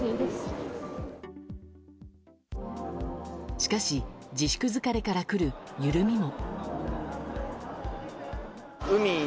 しかし自粛疲れから来る緩みも。